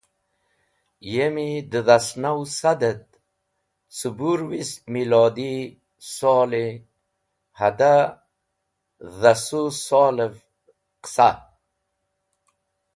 Yemi dẽ dhasnow sad et cẽbũrwist melodi sol-e hada dhasu sol’v-e qisa.